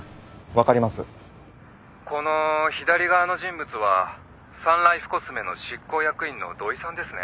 この左側の人物はサンライフコスメの執行役員の土井さんですね。